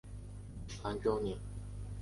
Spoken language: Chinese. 兰州鲇为鲇科鲇属的鱼类。